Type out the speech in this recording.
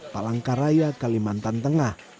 palangkaraya kalimantan tengah